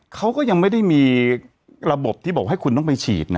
เขาก็ยังไม่ได้มีระบบที่บอกให้คุณต้องไปฉีดนะ